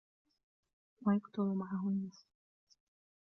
وَيَكْثُرُ مَعَهُ النَّسْلُ